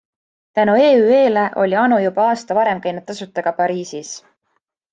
Tänu EÜE-le oli Anu juba aasta varem käinud tasuta ka Pariisis.